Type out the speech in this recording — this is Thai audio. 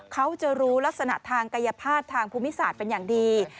เขาจะรู้ลักษณะทางกายภาพทางภูมิศาสตร์เป็นอย่างดี